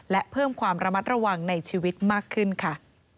และเพิ่มความระมัดระวังในชีวิตมากขึ้นค่ะ